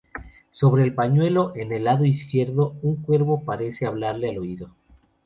Sobre el pañuelo, en el lado izquierdo, un cuervo parece hablarle al oído.